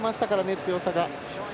強さが。